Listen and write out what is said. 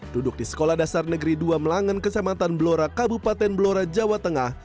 duduk di sekolah dasar negeri dua melangan kesempatan belora kabupaten belora jawa tengah